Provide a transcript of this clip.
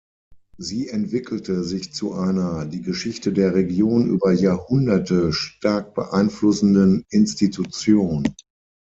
Sie entwickelte sich zu einer die Geschichte der Region über Jahrhunderte stark beeinflussenden Institution.